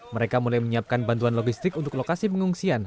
mereka mulai menyiapkan bantuan logistik untuk lokasi pengungsian